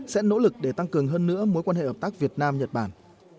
sẽ nỗ lực để tăng cường hơn nữa mối quan hệ hợp tác việt nam nhật bản